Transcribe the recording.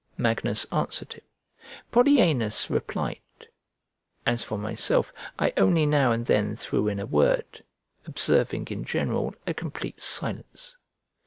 Magnus answered him; Polyaenus replied; as for myself, I only now and then threw in a word, observing in general a complete silence.